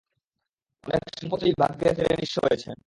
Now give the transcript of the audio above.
অনেক সম্পদশালীই ভাগ্যের ফেরে নিঃস্ব হয়েছেন।